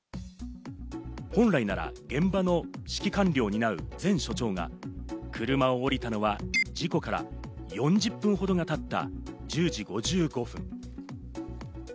本来なら現場の指揮管理を担う前署長が車を降りたのは事故から４０分ほどが経った１０時５５分。